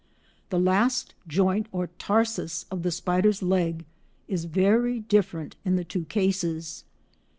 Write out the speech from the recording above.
] The last joint or tarsus of the spider's leg is very different in the two cases.